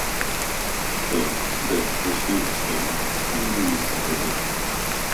Хто де з прислуги стояв, там і до місця прилип.